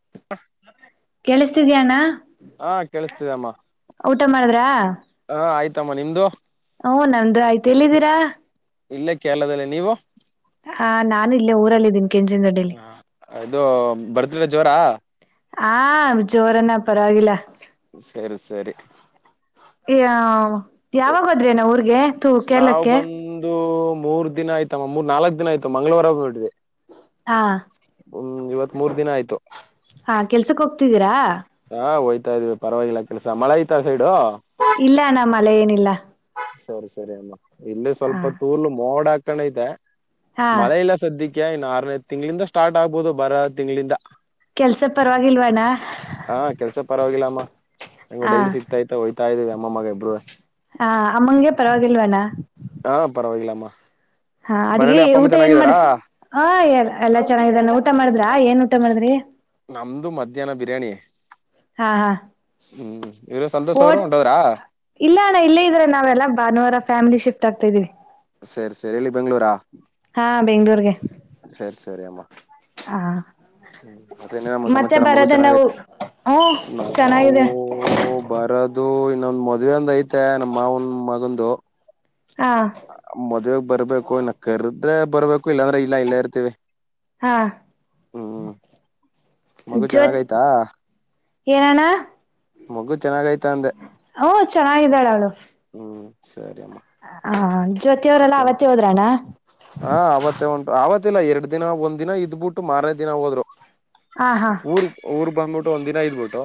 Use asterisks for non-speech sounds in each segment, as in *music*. ಹ ಕೇಳಿಸ್ತಿದ್ಯಣ್ಣ ಹಾ ಕೇಳಿಸ್ತಿದಮ್ಮ ಊಟ ಮಾಡಿದ್ರ ಇತ್ತಮ್ಮ ನಿಮ್ದು ಹಓ ನಮ್ದು ಆಯ್ತು ಎಲ್ಲಿದ್ದೀರಾ ಇಲ್ಲೇ ಕೇರಳದಲ್ಲಿ ನೀವು ಹಾ ನಾನು ಇಲ್ಲೇ ಊರಲ್ಲ ಇದಿದ್ದೀನಿ ಕೆಂಚಿನೊಡ್ಡಲಿ ಇದು ಬರ್ತ್ಡೇ ಜೋರಾ ಆ ಜೋರನ್ನ ಪರವಾಗಿಲ್ಲ ಸರಿ ಸರಿ *unintelligible* ಯಾವಾಗೋದ್ರೆನ ಊರ್ಗೆ ತೂ ನಾವು ಕೇರ್ಲಕ್ಕೆ ಬಂದು ಮೂರ್ ದಿನ ಆಯ್ತಮ್ಮ ಮೂರ್ ನಾಲ್ಕಕ್ ದಿನ ಆಯ್ತ ಮಂಗಳವಾರ ಬಿಿದೆ ಹಾ ಹ್ಮ್ ಇವತ್ ಮೂರ್ ದಿನ ಆಯ್ತು ಹಾ ಕೆಲ್ಸಕ್ ಹೋಗ್ತಿದ್ದೀರಾ ಇತ ಇದ್ವಿ ಪರವಾಗಿಲ್ಲ ಕೆಲಸ ಮಳೆ ಐತ ಸೈಡು ಇಲ್ಲ ಅಣ್ಣ ಮಳ ಏನಿಲ್ಲ ಸರಿ ಸರಿ ಅಮ್ಮ ಇಲ್ಲೇ ಹ ಸ್ವಲ್ಪ ತೂಲು ಮೋಡಾಕ್ ಕಣ ಇದೆ ಹಾ ಮಳೆ ಇಲ್ಲ ಸದ್ದಕ್ಕೆ ನ್ ಆಾರನೇ ತಿಂಗಳಿಂದ ಸ್ಟಾರ್ಟ್ ಆಗ್ಬಹದು ಬರ ತಿಂಗಂಗಳಿಂದ ಕೆಲ್ಸ ಪರವಾಗಿಲ್ವಣ್ಣ ಹಾ ಕೆಲ್ಸ ಪರವಾಗಿಲ್ಲ ಅಮ್ಮ ಹ ಡೈಲಿ ಸಿಗ್ತಾಯ್ತ ಹಯ್ತ ತಾ ಇದ್ದೀವಿ ಅಮ್ಮ ಮಗ ಇಬ್ರು ಹ ಅಮ್ಮಂಗೆ ಪರವಾಗಿಲ್ವನಾ ಹಾ ಪರವಾಗಿಲಾಮಾ ಹಾ ಅಡ್ಗ ಊಟ ಏನ್ ಮಾಡ ಹ ಎಲ್ಲ ಎಲ್ಲಾ ಚೆನ್ನಾಗಾನ ಊಟ ಮಾಡಿದ್ ಾ ಏನ್ ಊಟ ಮಾಡಿದ್ರಿ ನಮ್ದು ಮಧ್ಯಾಹ್ನ ಬಿರಿಯಾನಿ ಹಾ ಹಾ ಹ್ಮ್ ಇವ್ರು ಸಂತೋಷ್ ಅವರು ಟ್ ಹೊಂಟೋದ್ರಾ ಇಲ್ಲ ಅಣ್ಣ ಇಲ್ಲೇ ಇದ್ರ ನಾವೆಲ್ಲ ಭಾನುವಾರ ಫ್ಯಾಮಿಲಿ ಶಿಫ್ಟ್ ಗಾಗ್ತಾ ಇದೀವಿ ಸರಿ ಸರಿ ಇಲ್ಲಿ ಬೆಂಗ್ಗಳೂರಾ ಹಾ ಬೆಂಗ್ಳೂರ್ಗೆ ಸರಿ ಸರಿ ಅಮ್ಮ ಹಾ ಹ್ಮ ಮತ್ತೆನಮ್ಮ ಸಮಾಚಾರ ಮಗು ನಾವು ಚೆನ್ನಾಗತ್ ಹ್ಮ ಚೆನ್ನಾಗಿದೆ ನಾಾವವು ಬರದು ಇನ್ನೊಂದ್ ಮದ್ವೆ ಒಂದ ಐತೆ ನಮ್ಮ ಮಾವನ್ ಮಗಂದು ಹಾ ಮದ ಬರ್ಬೇಕು ಇನ್ನ ಕರದ್ರೆ ಬರ್ಬೇಕು ಇಲ್ಲಾಂದ್ರೆ ಇಲ್ಲ ಇಲ್ಲ ಇರ್ತಿೀವಿ ಹಾ ಮಗು ಚೆನ್ನಾಗ ಆಯ್ತಾ ಏನಣ ಮಗು ಚೆಾಗೈತಿ ಹಓ ಚೆನ್ನಾಗಿದ್ದಾಳ ಅವಳು ಹ್ಮ್ ಸರಿ ಅಮ್ಮ ಹ ಜೊತೆಯವ್ರಲ್ಲಾ ಮತ್ತೇಮ್ಮ ಅವತ್ತ ಹೋದ್ರಣ್ಣ ಹಾ ಅವತ್ತೇ ಉಂಟು ಆತ್ತ ಗತ್ತಿಲ್ಲ ಎರಡ್ ದಿನ ಒಂದ್ ದಿನ ಇದ್ಬಿಟ್ಟು ಮಾರನೇ ದಿನ ಹೋದ್ರು ಹಾ ಹಾ ಊರ್ ಊರ್ ಬಂಬಟ್ಟ ಒಂದ ದಿನ ಇದ್ಬಿಟ್ಟು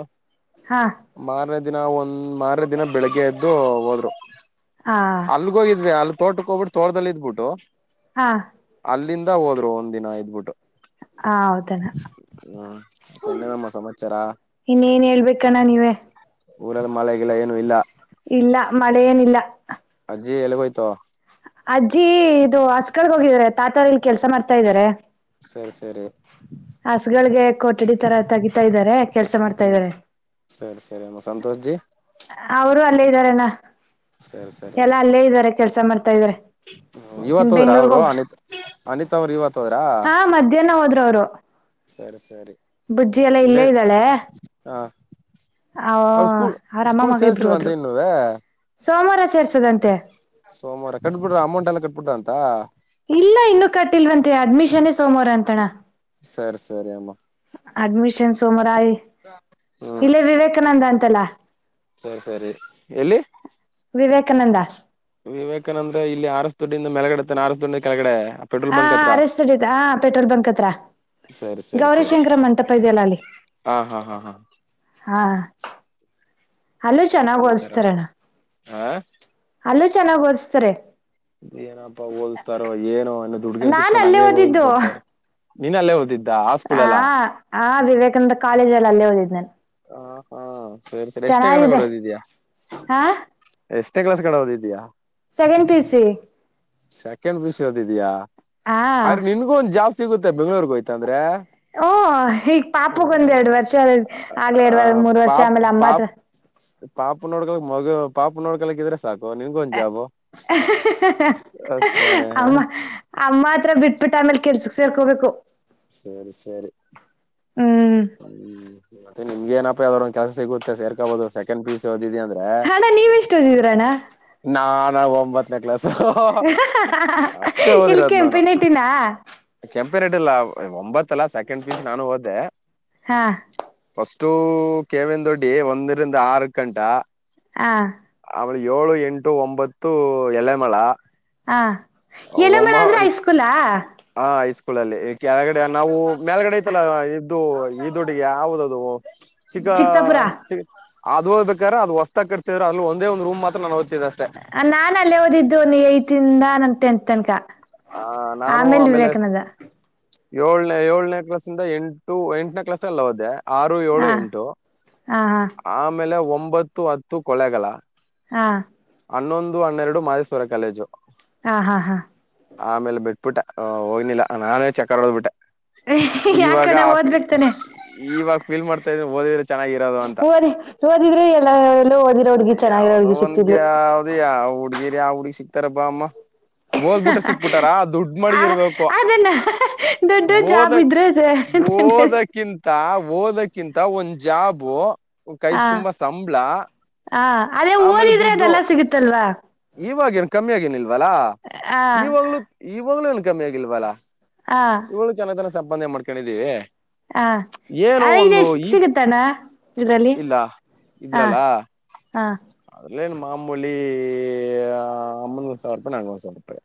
ಹಾ ಬಾರ ದಿನ ಒಂದ್ ಮಾರ ದಿನ ಬೆಳಿಗ್ಗೆ ಎದ್ದು ಹೋದ್ರು ಹಾ ಅಲ್ಗ ಹೋಗಿದ್ವಿ ಅಲ್ ತೋಟಕ್ಕೆ ಹೋಗಬಿು ತೋರ್ದಲ್ಲಿ ಇದ್ಬಿಟ್ಟು ಹಾ ಅಲ್ಲಿಂದ ಹೋದ್ರು ಒಂದ್ ದಿನ ಐದ್ಬಿಟ್ಟು ಹ ಹೌದಣ ಮತ್ತೆ ಇನ್ನೇನಮ್ಮ ಸಮಾಚಾರ ಇನ್ನೇನ್ ಹೇಳ್ಬೇಕಣ್ಣ ನೀವೇ ಊರಲ್ಲಿ ಮಳೆಗಿಲ್ಲ ಏನು ಇಲ್ಲ ಇಲ್ಲ ಮಳೆ ಏನಿಲ್ಲ ಜಿ ಎಲ್ಲಗಯತ ಅಜ್ಜಿ ಇದು ಹಸ್ ಕರ್ಗ್ ಹೋಗಿದಿದ್ದಾರೆ ತಾತಾರ ಇಲ್ಲಿ ಕೆಲ್ಸ ಮಾಡ್ತಾ ಇದಾರೆ ಸರಿ ಸರಿ ಗಳ ಕೊಠಡಿ ತರ ತಗಿತಾ ಇದಾರೆ ಹ್ಮ್ ಸರಿ ಸರಿಮ್ಮ ಸಂತೋಷ್ ಜಿ ಅವರು ಅಲ್ಲೇ ಇದ್ದಾರೆನ ಸರಿ ಸರಿ ಎಲ್ಲ ಅಮ್ಮ ಅಲ್ಲೇ ಇದ್ದಾರೆ ಕೆಲ್ಸ ಮಾಡ್ತಾ ಇದಾರೆ ಹ್ಮ್ ಇನ್ ಇವತ್ ಹೋದ್ರ ಬೆಂಗ್ಳೂರ್ಗ್ ಅವರು ಹೋಗ ಅನಿತ್ ಅನಿತ್ ಅವ್ರು ಇವತ್ ಹೋದ್ರಾ ಹಾ ಮಧ್ಯಾಹ್ನ ಹೋದ ರ ಸರಿ ಸರಿ ಇಲ್ಲಿ ಇಲ್ಲೇ ಇದ್ದಾಳೆ ಹಾ ಅವ ಸ್ಕೂಲ್ ಅವ್ರ ಅಮ್ಮ ಸ್ಕೂಲ್ ಮಗ ಇಬ್ರು ಹೋದ್ರು ಸೇರ್ಸಿಲ್ವಂತ ಇನ್ನು ಸೋಮವಾರ ಸೇರ್ಸದಂತೆ ಸೋಮವಾರ ಕಟ್ಬಿಡ್ರ ಅಮೌಂಟ್ ಎಲ್ಲ ಕಟ್ಬಿಡ್ರ ಅಂತ ಇಲ್ಲ ಇನ್ನುೂ ಕಟ್ಟಿಲ್ವಂತೆ ಅಡ್ಮಿಷನ್ೇ ಸೋಮವಾರ ಅಂತಣ ಸರಿ ಸರಿ ಅಮ್ಮ ಅಡ್ಮಿಷನ್ ಸುಮಾರ ಹ್ಮ್ ಇಲ್ಲ ವಿವೇಕಾನಂದ ಅಂತಲ್ಲಾ ಸರಿ ಸರಿ ಎಲ್ಲಿ ವಿವೇಕಾನಂದ ವಿವೇಕಾನಂದ್ರ ಇಲ್ಲಿ ಆರಸ್ ದಡ್ಡಿಂದ ಮೆಳಗಡೆ ತಾನೆ ಆರಸ್ ದಡ್ಡಿಂದ ಕೆಳಗಡೆ ಪೆಟ್ರೋಲ್ ಹ ಬಂಕ್ ಹತ್ರ ಅರೆಸ್ ಡಿತ ಹ ಪೆಟ್ರೋಲ್ ಬಂಕ್ ಹತ್ರ ಸರಿ ಸರಿ ಸರಿ ಗೌರಿಶಂಕರ ಮಂಟಪ ಇದೆಯಲ್ಲ ಅಲ್ಲಿ ಹಾ ಹಾ ಹಾ ಹಾ ಹಾ ಅಲ್ಲೂ ಚೆನ್ನಾಗಿ ಸಮಾಚಾರ ಓದಸ್ತರೋಣ ಹ ಅಲ್ಲ ಚೆನ್ನಾಗಿ್ ಓದ್ತಾರೆ ದುಡ್ಡುಗನ್ ನಾನ್ ಕಿತ್ಕೊಂಡ್ ಅಲ್ಲೇ ಹಂಗಗೆ ಹೋಯ್ ಓದಿದ್ದು ಬರ್ತಾರೆ ನೀನಲ್ಲೇ ಓದಿದ್ದು ಆ ಆ ವಿವೇಕಾನಂದ ಕಾಲೇಜ್ಲ್ಲಿ ಅಲ್ಲೇ ಹೋದಿದ್ದ *inaudible* ಹ ಹಾ ಸರಿ ಸರಿ ಎಷ್ಟೇ ಗಣ ಕೊಡದಿದ್ಯಾ ಹಾ ಎಷ್ಟೇ ಕ್ಾಸ್ ಕಡೆ ಹದಿದ್ಯಾಾ ಸೆಕೆಂಡ್ ಪಿ ಸಿ ಸೆಕೆಂಡ್ ವಿಷದಿದ್ಯಾಾ ಹಾ ಆದ್ರೆ ನಿನ್ಗೂ ಒಂದ್ ಜಾಸ್ತಿ ಸಿಗುತ್ತೆ ಬೆಂ್ೂರ್ಗೆ ಹೋಯ್ತ ಅಂದ್ರೆ ಓ ಈಗ್ ಪಾಪಗ ಒಂದ್ ಎರಡು ವರ್ಷ ಅ ಆ ಪಾಾ ಪಾಪನೋಡ್ಡು ಮಗ ಪಾಪ ನೋಡ್ಕಲಕ್ಕ ಇದಿದ್ರೆ ಸಾಕು ನಿನ್ಗೂ ಒಂದ್ ಜಾಬು ತಾನೆ ಅಮ್ಮ ಅಮ್ಮ ಹತ್ರ ಬಿಟ್ಬಿಟ್ಟ ಆಮೇಲೆ ಕೆರ್ಸ ಸರ್ಕೋಬೇಕ ಸರಿ ಸರಿ ಹ್ಮ್ ಹ್ಮ ಮತ್ತೆ ನಿಮ್ಗೆ ಏನಪ್ಪ ಅದ್ರೊಂದು ಕೆಸ ಸಿಗುತ್ತೆ ಸರ್ಕಬಹದು ಸೆಕಂಡ್ ಪೀಸ್ ಹಣ ನೀವೆ ಎಷ್ಟ ಹದಿದ್ರಣ್ಣ ಹಾ ಒಂಬತ್ ನಿ ಇಲ್ ಕೆಂಪಿನ ಇಟ್ಟಿನ ಪೆಡ ಲಾವ್ ಒಂಬತ್ತು ಸೆಕೆಂಡ್ ಪೀಸ್ ನಾನು ಹೋದೆೆ ಹಾ ಸ್ ಅಷ್ಟು ಕೇವಿನ ದೊಡ್ಡಿ ಒಂದರಿಂದ ಆರ್ ಗಂಟ ಹಾ ಆಮೇಲೆ ಏಳು ಎಂಟು ಒಂಬತ್ತು ಎಲೆಮಳ ಹ ಎಳಮಳೆ ಆದ್ರೆ ಐಸ್ಕೂಲ್ಾ ಲ್ಲಿ ಕೆಳಗಡೆ ನಾವು ಮೇಲ್ಗಡೆ ಐತಲ್ಲ ಇದದು ಈದುೊಡ್ಡುಗೆ ಯಾವುದದು ಚಕ್ಕಾ ಚಿಕ್ತಾಪುರ ಚ ಅದು ಹ್ಾದ್ರ ಅದು ಹೊಸ್ತಾಗ ಕಟ್ತವ ಅಲ್ಲಿ ಒಂದ ಒಂದು ರೂಮ ಮಾತ್ರ ನ ನಾನ ಅಲ್ಲೇ ಓದಿದ್ದು ನೀ ಐ ತಿಿಂದ ನ ೆಂತ್ ಅನಕ ಹ ನಾನು ಆಮೇಲೆ ಏಳನೇ ಏಳನೇ ಕ್ಲಾಸ್ಿಂದ ಎಂಟು ಎಂಟನೇ ಕ್ಲಾಸ್ ಅಲ್ಲ ಹದೇ ಆರು ಏಳು ಹಾ ಎಂಟು ಹಾ ಆಮೇಲೆ ಒ ಒಂಬತ್ತು ಹತ್ತು ಕೊಳೆಗಗಳ ಹಾ ಹನ್ನೊಂದು ಹನ್ನೆರಡು ಮಾದ್ವರ ಕಾಲೇಜು ಹಾ ಹಾ ಹಾ ಆಮೇಲೆ ಬಿಟ್ಬಿಟ್ಟ ಹೋಗ್ಿಲ್ಲ ನಾನೇ ಚಕ್ಕರ್ ಓದ್ಬಿಟ್ಟೆ ಯಾ ಕಡೆ ಓದ್ಬೇಕಕ್ತಾನೆ ೀಲ್ ಮಾಡ್ತಾ ೋದ್ರ ಚನ್ನಾಗಿ ಹೂದಿ ಓದಿದ್ರೆ ಎಲ್ಲ ಎಲ್ಲೋ ಓದಿರೋ ಹಡ್ಗಿ ಚೆನ್ನಾಗಿರೋ ಯಾವ್ದೋ ಹಗಿ ಸಿಕ್ತಿದ್ಲು ಆ ಹುಡುಗ ಸಿಗ್ತಾರಬ್ಬಾ ಅಮ್ಮ ಓದ್ಬಿಟ್ರೆ ಸಿಕ್ಬಿಟಾರ ದುಡ್ಡು ಆ ಮಡಿಗಿರ್ಬೇಕು ಅದನ್ನ ದೊಡ್ಡ ಓದ ಜಾಬ್ ಇದ್ರೆ ಓದಕ್ಕಿಂತ ಓದಕ್ಕಿಂತ ಒಂ ಜಾಬೋ ಹಾ ಹ ಅದೇ ಓದಿದ್ರೆ ಅದೆಲ್ಲ ಸಿಗುತ್ತಲ್ವಾ ಇವವಾಗಿೇನನು ಕಮ್ಮಿ ಆಗೇನಿಲ್ವಾ ಲ್ಲ ಹ ಇವಾಗ್ಲುೂ ಇವಾಗ್ಲ ಕಮ್ಮಿ ಆಗಿಲ್ಲ ಬಲ ಹ ಇವಳು ಚೆನ್ನ ಜನ ಸಂ ಬಂದೇ ಮಾಡ್ಕೊಂಡಿದ್ದೀವಿ ಹಾ ಇ ಎಷ್ಟು ಸಿಗುತ್ತಾನ ಇದಲ್ಲಿ ಇಲ್ಲ ಹಾ ಹಾ ಇಲ್ಲನು ಮಾಂಬೊೊಳ್ಳಿ ಅನೂರು ಸಾವಿರಪಿ ನಾನೂರು ಸಾವಿರಪಾಯ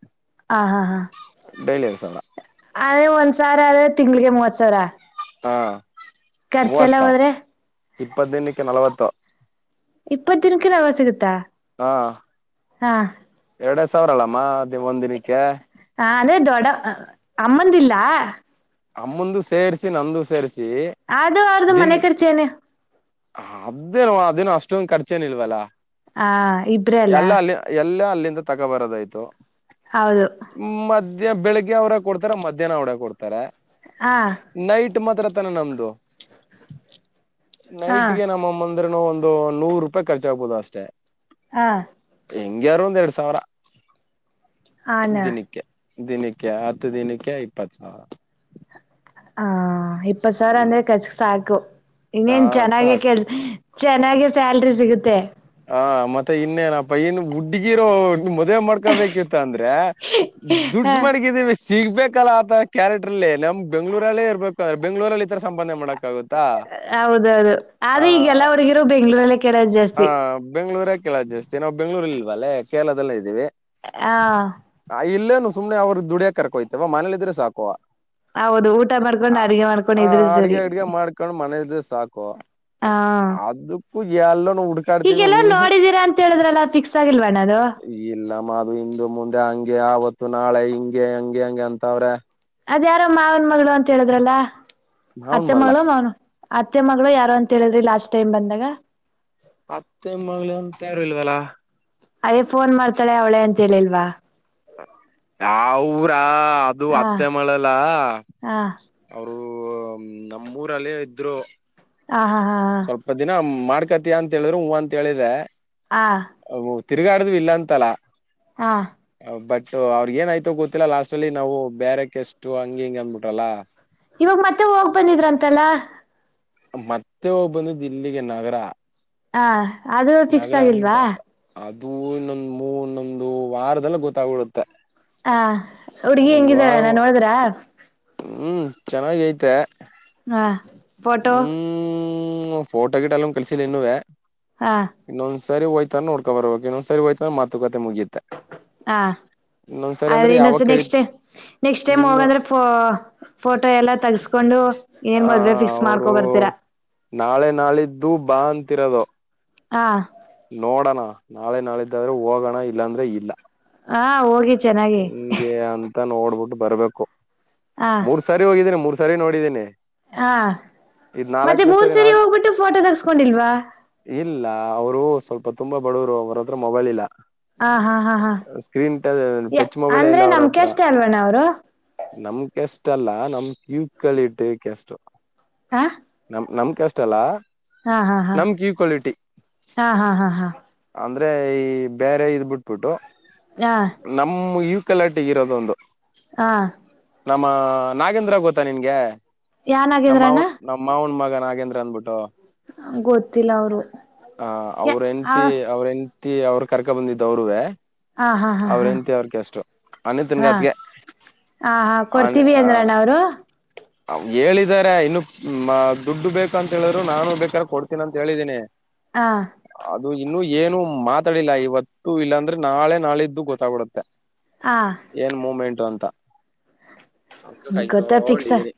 ಹ ಹಾ ಹಾ ಡೈಯ್ಲಿಿವಸ ಅದೇ ಒಂದ್ ಸಾವಿರ ಆದ್ರೆ ತಿಂಗಳಿಗೆ ಮೂವತ್ ಸಾವಿರ ಹಾ ಖರ್ಚ ಎಲ್ಲ ಹೋದ್ರೆ ಇಪ್ಪತ್ತನಕ್ಕೆ ನಲವತ್ತು ಇಪ್ಪತ್ತಿನಕ್ಕೆ ನಾವ ಸಿಗುತ್ತಾ ಹ ಹಾ ಅವ್ರಲ್ಲಮ್ಮ ಹ ಅದೇ ದೊಡ್ಡ ಅಮ್ಮಂದಿಲ್ಲ ಾ ಅಮ್ಮಂದ ಸೇರಿಸಿ ನಂದು ಸೇರಿಸಿ ಅದು ಆರ್ದುು ದಿನ್ ಮನೆ ಕರ್ಚೇನೆ ಅದೇನು ಅದೇನು ಅಷ್ಟೊಂದಂದು ಖರ್ಚೇನ್ ಇಲ್ವಲ್ಲ ಹ ಇಬ್ರೇ ಅಲ್ಲ ಎಲ್ಲ ಅಲ್ಲಿ ಎಲ್ಲ ಅಲ್ಲಿಂದ ತಗೋಬರೋದಾಯ್ತು ಹೌದು ಮದ ಮ ಬೆಳಗ್ಗೆ ಅವ್ರ ಕೊಡ್ತಾರೆ ಮಧ್ಯಾಹ್ನ ಅವರ ಕೊಡ್ತಾರೆ ಹಾ ನೈಟ್ ಮಾತ್ರ ತನ ನಮ್ದು ದೊ ಹಾ ನೈಟ್ಗೆ ನಮ್ಮಮ್ಮಂದ ಅಂದ್ರ ಒಂದು ನೂರು ರೂಪಾಯಿ ಖರ್ಚಾಗಗ್ಬಹುದು ಅಷ್ಟೇ ಹಾ ಎಂಗ ಯಾರು ಒಂದು ಎಡು ಸರ ಹಣ ದಿನಿಕ್ಕೆ ದಿನಕ್ಕೆ ಹತ್ತು ದಿನಕ್ಕೆ ಇಪ್ಪತ್ ಸಾವಿರ ಹ ಇಪ್ಪತ್ತು ಸರ್ ಅಂದ್ರೆ ಕಚ್ಕ್ ಸಾಕು ಹಾ ಇನ್ನೇನ್ ಚೆನ್ನಾಗೆ ಸಾಕು ಕೆಲ್ಸ ಚೆನ್ನಾಗಿ ಸ್ಯಾಲ್ರಿ ಸಿಗುತ್ತೆ ಹ ಮತ್ತೆ ಇನ್ನೇನಪ್ಪ ಏನ್ ಹುಡ್ಗಿರೋ ಮ್ ಮದ್ವೆ ಮಾಡ್ಕೊಬೇಕಿತ್ತ ಅಂದ್ರೆ ಹ ದುಡ್ ಮಡಗಿದೀವಿ ಸಿಗ್ಬೇಕಲ್ಲಾ ಆತರ ಕ್ಯಾರೆಕ್ಟ್ರಲ್ಲಿ ನಮ್ ಬೆಂಗಗಳೂರಲ್ಲೇ ಇರಬೇಕು ಬೆಂಗ್ಗಳೂರಲ್ಲಿ ತಥರ ಸಂಪಾದನೆ ಮಾಡಕ್ ಆಗುತ್ತಾ ಹೌದೌದು ಆದ್ರೆ ಈಗೆಲ್ಲವರ್ಗಿರೋ ಬೆಂಗ್ಳೂರಲ್ಲ ಹ ಬೆಂ್ಗಳೂರ ಳ ಜಾಸ್ತಿ ನಾವು ಬೆಂಗಳೂ ಇಲ್ವ ಅಲ್ಲ ಕೇರಳದಲ್ಲೇ ಇದೀವಿ ಹ ಅಲ್ಲೇನು ಸುಮ್ಮನೆ ಅವ್ರ ದುಡಿಯಕ ಕಕೋ್ತವ ಮನೇ ಇದ್ರೆ ಸಾಕುವ ಹೌದು ಊಟ ಮಾಡ್ಕೊಂಡು ಹ ಅಡ್ಗೆ ಮಾಡ್ಕೊಂಡು ಇದ್ರೆ ಅಡ್ಗೆ ಸರಿ ಅಡ್ಗೆ ಮಾಡ್ಕೊಂಡು ಮನದ ಸಾಕು ಅದಕ್ಕೂ ಎಲ್ಲ ಈಗೆಲ್ಲ ನೋಡಿದೀರಾ ಅಂತ ಹೇಳಿದ್ರಲ್ಲ ಫಿಕ್ಸ್ ಆಗಿಲ್ವಣ ಅದು ಎಲ್ಲ ಅು ಇಂದು ಮುಂದೆ ಹಂಗೆ ಆವತ್ತು ನಾಳೆ ಹಿಂಗೆ ಹಂಗೆ ಹಂಗೆ ಅಂತವ್ರೆ ಅದ ಯಾರೋ ಮಾವನ್ ಮಗಳು ಅಂತ ಹೇಳದ್ರಲ್ಲ ಮಾವನ್ ಹತ್ತೆ ಮಗಳ ಮಳ ಮಾಡನು ಅತ್ತೆ ಮಗಳು ಯಾರು ಅಂತ ಹೇಳಿದ್ರಿ ಲಾಸ್ಟ್ ಟೈಮ್ ಬಂದಾಗ ಮತ್ತೆ ಮ ತಯಾರ ಇಲ್ವಲ ಅದೇ ಫೋನ್ ಮಾಡ್ತಾಳೆ ಅವಳೆ ಅಂತ ಹೇಳಿಲ್ವಾ ಅವರ ಹ ಅದು ಹ ಅತ್ತೆ ಮಳೆಲ್ಲ ಹಾ ಹೌ ಅ ನಮ್ಮೂರಲ್ಲೇ ಇದ್ರು ಹ ಹಾ ಹಾ ಸ್ವಲ್ಪ ದಿನ ಕತ ಅಂತ ಹೇಳ್ರರು ಹೂ ಅಂತ ಹೇಳಿದ್ರೆ ಹಾ ತಿರುಗಾಡ್ದ ಇಲ್ಲಾ ಅಂತಲ್ಲ ಹಾ ಬಟ್ ಅವ್ರಗ ಏನಯ್ತೋ ಗೊತ್ತಿಲ್ಲ ಲಾಸ್ಟ್ ಅಲ್ಲಿ ನಾವು ಬೇರೆಕ ಎಷ್ಟು ಹಂಗಿ ಹಿಂಗ ಅಂದ್ಬಿಟಲ್ಲ ಇವಾಗ ಮತ್ತೆ ಹೋಗ್ ಬಂದಿದ್ರಂತಲ್ಲ ಮತ್ತೆ ಒಬ್ಬಂದು ದಿಲ್ಲಿಗೆ ನಗರ ಹಾ ಅದು ಫಿಕ್ಸ್ ಆಗಿಲ್ವಾ ದು ಇನ್ನೊಂದು್ ಮೂ ಇನ್ನೊಂದು ವಾರದೆಲ್ಲ ಗೊತ್ತಾಗಿ್ಬಿಡುತ್ತೆ ಹಾ ಹುಡ್ಗಿ ಹೆಂಗಿದಾರ ನಾನ್ ನೋಡಿದ್ರ ಹ್ಮ್ ಚೆನ್ನಾಗ ಐತೆ ವಾ ಫೋಟೋ ಹ್ಮ್ ಫೋಟೋ ಗಿಟ್ ಅಲ್ಲ ಕಳಸಿಲ್ಲ ಇನ್ನುೂೇ ಹಾ ಸರಿ ಹಯ್ತ ನೋಡ್ಕಬರಬೇಕು ಸರಿ ಹಯ್ತ ಮಾತು ಕತೆ ಹ ಇನ್ನೊಂದ್ಸರಿ ಆದ್ರೆ ಅಂದ್ರೆ ಇನ್ನೊ ಯಾವಾಗ ಕರಿ ನೆಕ್ಸ್ಟ್ ೈ್ ನೆಕ್ಸ್ಟ್ ಟೈಮ್ ಇನ್ನು ಹೋಗಂದ್ರೆ ಫೋ ಫೋಟೋ ಎಲ್ಲ ತಗಸ್ಕೊಂಡು ಏನ್ ಹ ಮದ್ವೆ ಫಿಕ್ಸ್ ಮಾಡ್ಕೊ ಅವರು ಬರ್ತೀರಾ ನಾಳೆ ನಾಳಿದ್ದು ಬಾ ಅಂತಿರೋದು ಹಾ ನೋಡೋಣ ನಾಳೆ ನಾಳಿದ್ದಾದ್ರೆ ಹೋಗೋಣ ಇಲ್ಲಾಂದ್ರೆ ಇಲ್ಲ ಹಾ ಹೋಗಿ ಚೆನ್ನಾಗಿ ಹೆಂಗೆ ಅಂತ ನೋಡ್ಬಿಟ್ಟು ಬರ್ಬೇಕು ಹಾ ಮೂರ್ ಸಾರಿ ಹೋಗಿದೀ್ರೆ ಮೂರ್ ಸರಿ ನೋಡಿದ್ದೀನನೆ ಹಾ ಮತ್ತೆ ಮೂರ್ ಸರಿ ಹೋಗ್ಬಿಟ್ಟು ಫೋಟೋ ತಗಸ್ಕೊಂಡಿಲ್ವಾ ಇಲ್ಲ ಅವರು ಸ್ವಲ್ಪ ತುಂಬಾ ಬಡವರು ಅವರ ಹತ್ರ ಮೊಬೈಲ್ ಇಲ್ಲ ಹ ಹಾ ಹಾ ಹಾ ಸ್ಕ್ರೀನ್ ಯ ಟಚ್ ಮೊಬೈಲ್ ಅಂದ್ರೆ ಇಲ್ಲ ಅವ್ರ ನಮ ಹತ್ರ ಕ್ಯಾಸ್ಟ್ ಅಲ್ವಣ್ಣ ಅವ್ರು ಇಷ್ಟಲ್ಲ ನಮ್ ಕ್ಯೂ ಕಳ ಇಟ್ಟಕ್ಕೆಷ್ಟು *unintelligible* ಹ ನಮ್ ಕ್ಯಾಸ್ಟ್ ಅಲ್ಲ ಹಾ ಹಾ ಹಾ ನಮ್ ಕ್ಯೂ ಕ್ವಾಲಿಟಿ ಹಾ ಹಾ ಹಾ ಹಾ ಅಂದ್ರೆ ಈ ಬೇರೆ ಇದ್ ಬಿಟ್ಬಿಟ್ಟು ಹಾ ನಮ್ಮು ಕ್ಕಲಾಟಿ ಇರೋದ ಒಂದು ಹಾ ನಮ್ಮ ನಾಗೇಂದ್ರ ಗೊತ್ತಾ ನಿನ್ಗೆ ಯಾನಾಗಿದ್ರಣ್ಣ ನಮ್ಮವನ್ ನಮ್ಮವನ್ ಮಗ ನಾಗೇಂದ್ರ ಅನ್ಬಿಟ್ಟು ಗೊತ್ತಿಲ್ಲ ಅವರು ಯ ಅ ಮತ್ತು ಅವ್ರನು ತಿ ಅವ್ರು ಕರ್ಕ ಬಂದಿದ್ದ ಅವರುೇ ಹ ಹಾ ಹಾ ಹಾ ಹಾ ಅನಿತನ್ಗತ್ಗೆ ಹ ಹಾ ಕೊಡ್ತೀವಿ ಅಂದ್ರಣ್ಣ ಅವ್ರು ಹೇಳಿದಿದ್ದಾರೆ ಇನ್ನು ದುಡ್ಡು ಬೇಕಂತ ಹೇಳಿದ್ರು ನಾನು ಬೇಕಾರ ಕೊಡ್ತೀನಿ ಅಂತ ಹೇಳಿದೀನಿ ಹಾ ಅದು ಇನ್ನು ಏನು ಮಾತಾಡಿಲ್ಲ ಇವತ್ತು ಇಲ್ಲಾಂದ್ರೆ ನಾಳೆ ನಾಳಿದ್ದು ಗೊತ್ತ್ಬಡೆ ಹ ಏನ್ ಮೂಮೆಂಟು ಅಂತ ಅದಕ್ಕೆ ಗತ್ತ ಫಿಕ್ಸ್ ಕಾಯ್ತೊಂಡಿದೀನಿ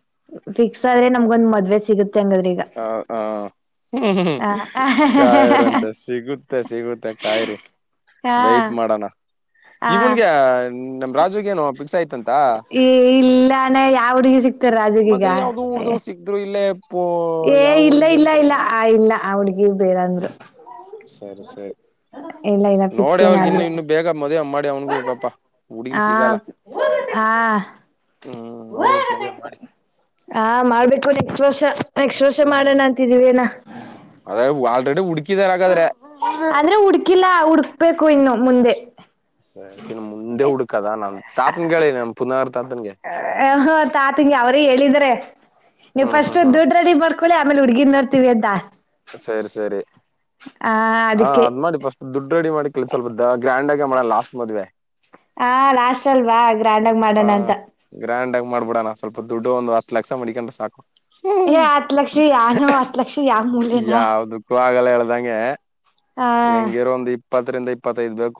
ಫಿಕ್ಸ್ ಆದ್ರೆ ನಮ್ಗೊಂದ್ ಮದ್ವೆ ಸಿಗುತ್ತೆ ಹಂಗಾದ್ರೆ ಈಗ ಹ ಹ ಹ ಕಾಯ್ರ ಅಂತ ಸಿಗುತ್ತೆ ಸಿಗುತ್ತೆ ಕಾಯರಿಿ ಹಾ ವೈಟ್ ಮಾಡೋಣ ಹಾ ಇವನ್ಗೆ ನಮ ರಾಜು ಏೋಫಿಸ್ಯ ಏ ಇಲ್ಲಾನ ಯಾವಡಗ ಸಿಕ್ತಾರ ರಾಜಗೀಗ ಪ್ಪು ಏ ಇಲ್ಲ ಇಲ್ಲ ಇಲ್ಲ ಆ ಇಲ್ಲ ಅವಳಿಗೆ ಹಾಗ ಬೇಡಂದ್ರು ಸರಿ ಸರಿ ಇಲ್ಲ ಇಲ್ಲ ಫಿಕ್ಸ್ ನೋಡಿ ಏನ ಅವ್ರಗ ಇನ್ನು ಆಗಿಲ್ಲ ಇನ್ನು ಬೇಗ ಮದ್ೆ ಮಾಡಿ ಅವನಗೂಪ ಹುಡುಗಿಲ್ ಆ ಸಿಗಲ್ಲ ಹಾ ಹ್ಮ್ ನೋಡ್ಬ ಮದ್ುವವೆ ಮಾಡಿ ದವಶ ನಕ್ಕ್ಷ ವರ್ಷ ಹ್ಮ್ ಮಾಡೋಣ ಅಂತಿದೀವಿ ಏನ ಎಡು ಹಡುಿಕಿ ಅಂದ್ರೆ ಹುಡ್ಕಿಲ್ಲಾ ಹುಡ್ಕ್ಬೇಕೇ ೂ ಇನ್ನು ಮುಂದೆ ಸಸನ್ ಮುಂದೆ ಹುಡುಕದ ನಾನ್ ತಾತನ್ ಕಿ ನ ಪುನರ್ ತಾತನ್ಗೆ ಹೊ ತಾತಂಗಿ ಅವ್ರೇ ಹೇಳಿದ್ರೆ ನೀವು್ ಹ್ಮ್ ಫಸ್ಟ್ ಹ್ಮ್ ಹ್ಮ್ ದುಡ್ ರೆಡಿ ಮಾಡ್ಕ ಳೆ ಆಮೇಲೆ ಹುಗಿ ನಡ್ರ್ತವಿ ಅದಂತ ಸರಿ ಸರಿ ಹಾ ಅದಕ್ಕೆ ಅದ್ ಮಾಡಿ ಫಸ್ಟ್ ದುಡ್ಡು ರೆಡಿ ಮಾಡಿ ಕ ಸ್ವಲ್ಪ ದ ಗ್ರ್ಯಾ್ ಆಗ ಮಾಡೋ ಲಾಸ್ಟ್ ಮದ್ವೆ ಹ ಲಾಸ್ ಅಲ್ವಾಾಗ ಬ್ರ್ಯಾಂಡ್ಗ ಹಾ ಮಾಡೋಣ ಅಂತ ಗ್ರ್ಯಾಂಡ್ ಆಗಿ ಮಾಡ್ಬಿಡಣ ಸ್ವಲ್ಪ ದುಡ್ಡು ಒಂದು ಹ ಲಕ್ಷ ಮಡಕೊಂಡ್ರೆ ಸಾಕು ಏ ಹ್ಮ ಹತ್ ಲಕ್ಷ ಯಾನೋ ಹತ್ ಲಕ್ಷ ಯಾವ ಮೂಲೆನಾ ಯಾವದಕ್ಕೂ ಆಗಲ್ಲ ಹೇಳ್ದಂಗೆ ಆ ಹೆಂಗಿರೋ ಒಂದು್ ಇ ಇಪ್ಪತ್ತರಿಂದ ಇಪ್ಪತ್ತೈದು ಬೇಕು